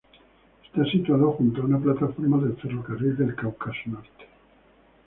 Está situado junto a una plataforma del ferrocarril del Cáucaso Norte